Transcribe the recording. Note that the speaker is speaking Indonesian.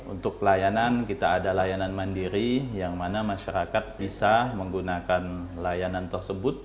untuk pelayanan kita ada layanan mandiri yang mana masyarakat bisa menggunakan layanan tersebut